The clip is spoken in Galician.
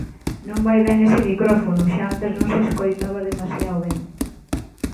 Non vai ben ese micrófono, xa antes non se escoitaba demasiado ben.